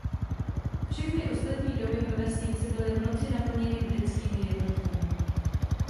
Všechny ostatní domy ve vesnici byly v noci naplněny britskými jednotkami.